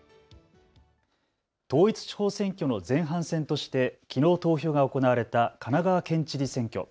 統一地方選挙の前半戦としてきのう投票が行われた神奈川県知事選挙。